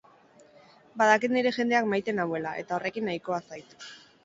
Badakit nire jendeak maite nauela, eta horrekin nahikoa zait.